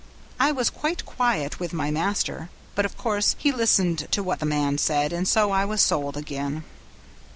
I was quite quiet with my master, but of course he listened to what the man said, and so I was sold again.